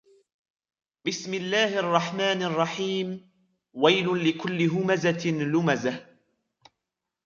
بِسْمِ اللَّهِ الرَّحْمَنِ الرَّحِيمِ وَيْلٌ لِكُلِّ هُمَزَةٍ لُمَزَةٍ